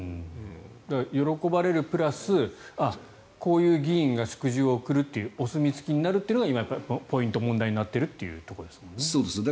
喜ばれるプラスこういう議員が祝辞を贈るというお墨付きになるというのがポイント、問題になっているところですよね。